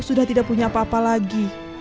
sudah tidak punya apa apa lagi